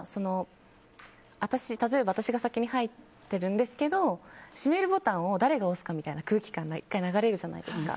例えば私が先に入ってるんですが閉めるボタンを誰が押すかみたいな空気感が１回流れるじゃないですか。